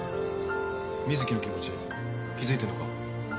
瑞稀の気持ち気付いてんのか？